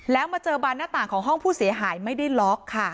แล้วมาเจอบานหน้าต่างของห้องผู้เสียหายไม่ได้ล็อกค่ะ